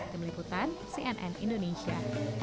kami meliputan cnn indonesia